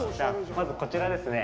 まずこちらですね